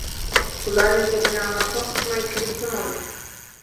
ئۇلارنىڭ گېپىنى ئاڭلاپ، توختىماي كۈلۈپلا ماڭدى.